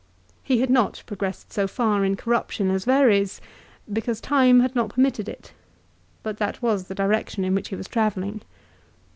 He had not progressed so far in corruption as Verres, because time had not permitted it, but that was the direction in which he was travelling.